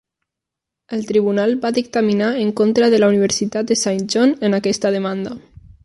El tribunal va dictaminar en contra de la Universitat de Saint John en aquesta demanda.